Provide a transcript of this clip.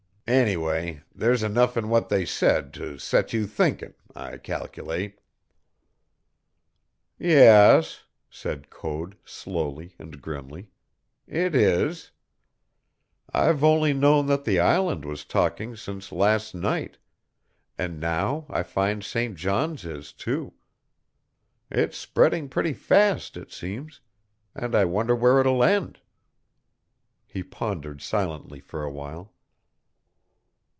Anyway, there's enough in what they said to set you thinkin', I cal'late." "Yes," said Code slowly and grimly, "it is. I've only known that the island was talking since last night, and now I find St. John's is, too. It's spreading pretty fast, it seems; and I wonder where it will end?" He pondered silently for a while.